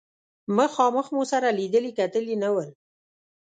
مخامخ مو سره لیدلي کتلي نه ول.